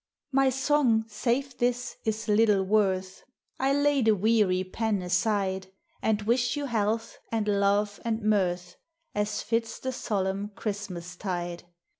My song, save this, is little worth; I lay the weary pen aside, And wish you health and love and mirth, As fits the solemn Christmas tide.